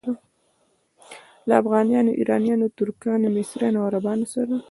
له افغانانو، ایرانیانو، ترکانو، مصریانو او عربانو سره.